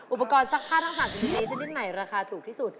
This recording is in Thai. อุปกรณ์ซักผ้าทั้ง๓ชนิดนี้ชนิดไหนราคาถูกที่สุด